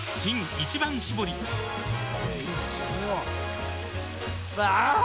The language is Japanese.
「一番搾り」あぁー！